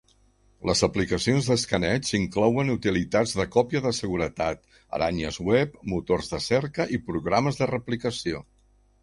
Les aplicacions d'escaneig inclouen utilitats de còpia de seguretat, aranyes web, motors de cerca i programes de replicació.